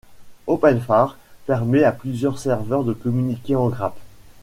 Openfire permet à plusieurs serveurs de communiquer en grappe.